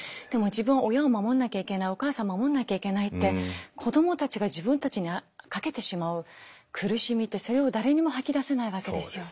自分は親を守んなきゃいけないお母さんを守んなきゃいけないって子どもたちが自分たちにかけてしまう苦しみってそれを誰にも吐き出せないわけですよ。